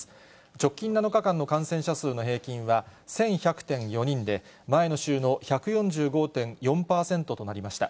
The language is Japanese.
直近７日間の感染者数の平均は１１００．４人で、前の週の１４５．４％となりました。